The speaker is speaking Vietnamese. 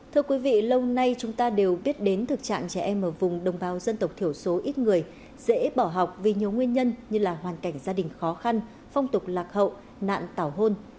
thưa quý vị lâu nay chúng ta đều biết đến thực trạng trẻ em ở vùng đồng bào dân tộc thiểu số ít người dễ bỏ học vì nhiều nguyên nhân như là hoàn cảnh gia đình khó khăn phong tục lạc hậu nạn tảo hôn